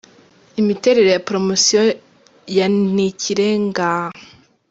Imiterere ya Poromosiyo ya Ni Ikirengaa.